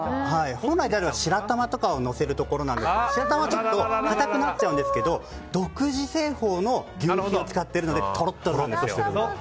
本来であれば白玉とかをのせるところなんですが白玉はちょっと固くなっちゃうんですけど独自製法の求肥を使っているのでとろっとろなんですよ。